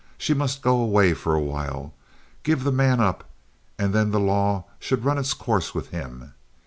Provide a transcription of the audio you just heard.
She must go away for a while, give the man up, and then the law should run its course with him.